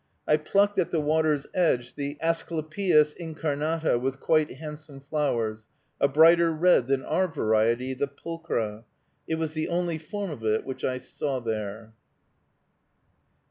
I plucked at the water's edge the Asclepias incarnata, with quite handsome flowers, a brighter red than our variety (the pulchra). It was the only form of it which I saw there.